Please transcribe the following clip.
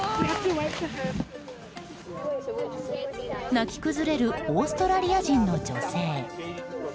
泣き崩れるオーストラリア人の女性。